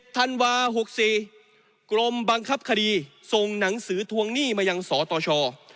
ธันวา๖๔กรมบังคับคดีส่งหนังสือทวงหนี้มายังสตช